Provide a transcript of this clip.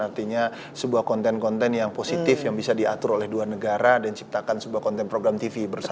artinya sebuah konten konten yang positif yang bisa diatur oleh dua negara dan ciptakan sebuah konten program tv bersama